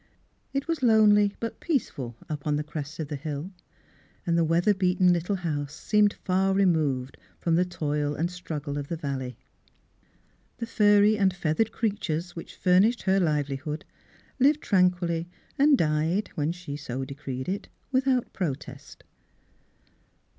It was lonely but peaceful up on the crest of the hill, and the weather beaten little house seemed far removed from the toil and struggle of the valley. The furry and feathered creatures which fur nished her livelihood lived tranquilly and died (when she so decreed it) without pro test.